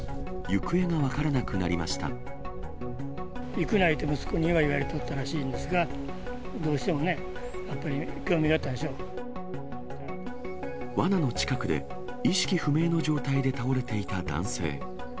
行くないうて、息子には言われとったらしいんですが、どうしてもね、やっぱり興わなの近くで、意識不明の状態で倒れていた男性。